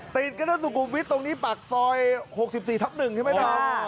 ตีดกันนะสุกุมวิทย์ตรงนี้ปากซอย๖๔ทับ๑ใช่ไหมครับ